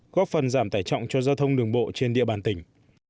góp phần giảm tải trọng cho giao thông đường bộ trên địa bàn tỉnh